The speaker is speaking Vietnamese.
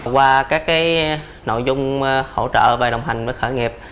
qua các cái nội dung hỗ trợ và đồng hành với khởi nghiệp